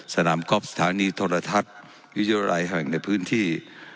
สนามกอล์ฟสถานีโทรทัศน์วิทยาลัยแห่งในพื้นที่